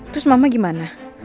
terus mama gimana